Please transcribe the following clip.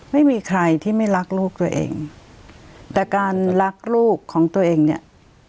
ไม่มีใครที่ไม่รักลูกตัวเองแต่การรักลูกของตัวเองเนี่ย